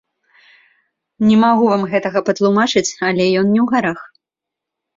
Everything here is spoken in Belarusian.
Не магу вам гэтага патлумачыць, але ён не ў гарах.